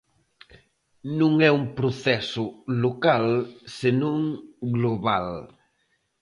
Non é un proceso local senón global.